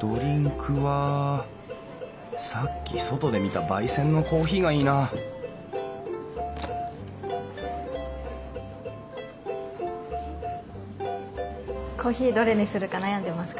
ドリンクはさっき外で見た焙煎のコーヒーがいいなぁコーヒーどれにするか悩んでますか？